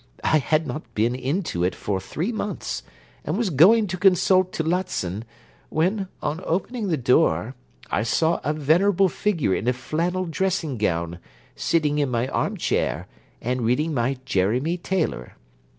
I had not been into it for three months, and was going to consult Tillotson, when, on opening the door, I saw a venerable figure in a flannel dressing gown, sitting in my arm chair, and reading my Jeremy Taylor.